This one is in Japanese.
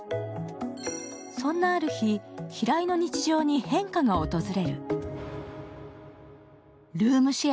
そんなある日、平井の日常に変化が訪れる。